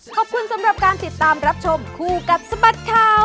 ขอบคุณสำหรับการติดตามรับชมคู่กับสบัดข่าว